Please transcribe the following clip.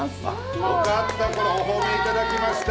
よかったお褒めいただきました。